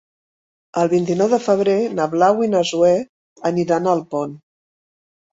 El vint-i-nou de febrer na Blau i na Zoè aniran a Alpont.